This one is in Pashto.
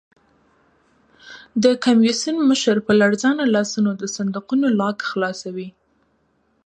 د کمېسیون مشر په لړزانه لاسونو د صندوقونو لاک خلاصوي.